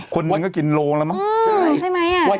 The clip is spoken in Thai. คนนึงก็กินโลแล้วมั้ง